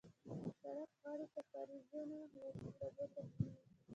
د سړک غاړې ته کارېزونه وو د اوبو سرچینې.